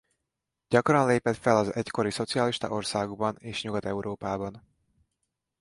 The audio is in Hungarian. Gyakran lépett fel az egykori szocialista országokban és Nyugat-Európában.